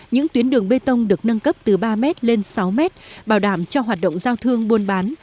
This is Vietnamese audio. những tuyến đường bê tông được nâng cấp từ ba m lên sáu m bảo đảm cho hoạt động giao thương buôn bán